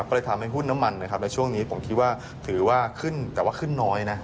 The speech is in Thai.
ก็เลยทำให้หุ้นน้ำมันนะครับและช่วงนี้ผมคิดว่าถือว่าขึ้นแต่ว่าขึ้นน้อยนะ